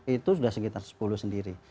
itu sudah sekitar sepuluh sendiri